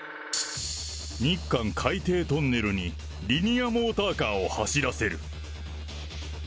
日韓海底トンネルに、リニアモーターカーを走らせる。